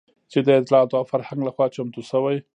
چې د اطلاعاتو او فرهنګ لخوا چمتو شوى